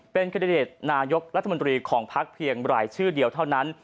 เป็นคันดิเดตนายกรัฐมนตรีของพักเพียงรายชื่อเดียวเท่านั้น